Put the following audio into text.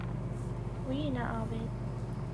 Wî neavêt.